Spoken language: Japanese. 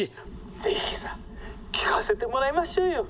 「ぜひ聞かせてもらいましょうよ」。